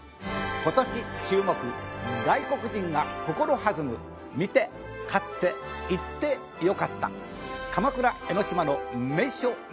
今年注目外国人が心弾む見て買って行ってよかった鎌倉・江の島の名所・名物ランキング。